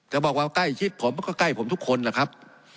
จะบอกว่าใกล้ชิดผมมันก็ใกล้ผมทุกคนแหละครับ